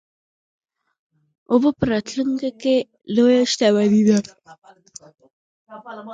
اوبه په راتلونکي کې لویه شتمني ده.